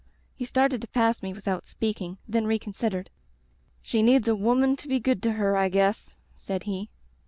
He started to pass me without speaking, then recon sidered. "*She needs a woman to be good to her, I guess/ said he.